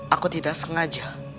aku tidak sengaja